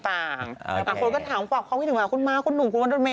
ต่างคนก็ถามฝากความคิดถึงคุณม้าคุณหนูคุณวันโรดเม